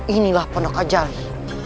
inilah pendok ajali